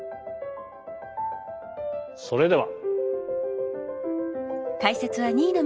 それでは。